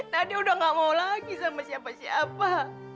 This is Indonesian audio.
nadia sudah enggak mau lagi sama siapa siapa